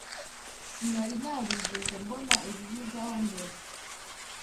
Sinari narigeze mbona ibi bibaho mbere.